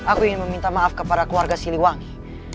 aku ingin meminta maaf kepada keluarga siliwangi